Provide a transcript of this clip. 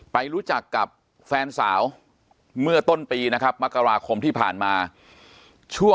ไปรู้จักกับแฟนสาว